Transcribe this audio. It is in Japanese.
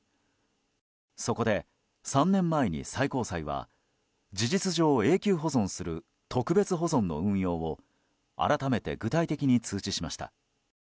そこで３年前に最高裁は事実上、永久保存する特別保存の運用を改めて具体的に通知しました。